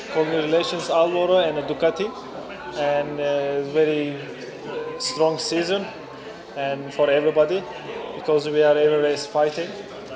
belapan di musim depan